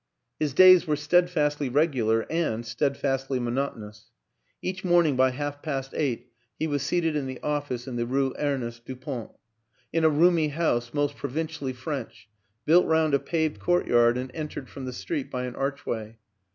His days were steadfastly regular and stead fastly monotonous. Each morning by half past eight 'he was seated in the office in the Rue Ernest Dupont; in a roomy house, most provincially French, built round a paved courtyard and en tered from the street by an archway.